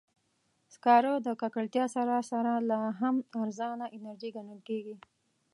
سکاره د ککړتیا سره سره، لا هم ارزانه انرژي ګڼل کېږي.